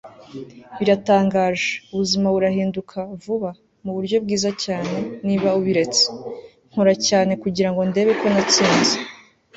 biratangaje. ubuzima burahinduka vuba, mu buryo bwiza cyane, niba ubiretse. nkora cyane kugirango ndebe ko natsinze